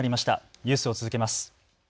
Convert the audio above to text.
ニュースを続けます。